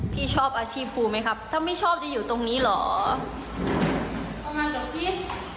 พี่ชอบอาชีพภูมิไหมครับถ้าไม่ชอบจะอยู่ตรงนี้เหรอ